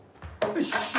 よし！